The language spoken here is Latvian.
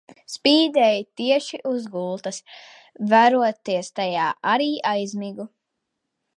Spīdēja tieši uz gultas. Veroties tajā arī aizmigu.